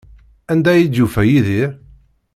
Anda ay d-yufa Yidir?